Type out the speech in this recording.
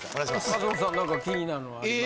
松本さん何か気になるのありますか？